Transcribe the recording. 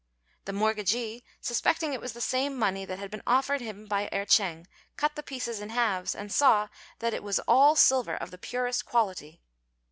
The mortgagee, suspecting it was the same money that had been offered him by Erh ch'êng, cut the pieces in halves, and saw that it was all silver of the purest quality.